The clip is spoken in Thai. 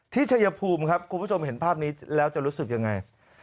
ชัยภูมิครับคุณผู้ชมเห็นภาพนี้แล้วจะรู้สึกยังไง